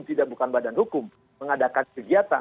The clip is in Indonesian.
tidak bukan badan hukum mengadakan kegiatan